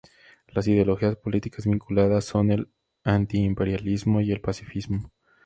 Las ideologías políticas vinculadas son el antiimperialismo y el pacifismo.